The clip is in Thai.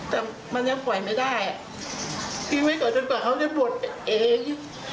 แต่มันยังปล่อยไม่ได้ทิ้งไว้ก่อนจนกว่าเขาจะบวชไปเอง